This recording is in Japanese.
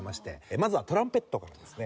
まずはトランペットからですね。